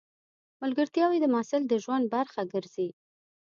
ملګرتیاوې د محصل د ژوند برخه ګرځي.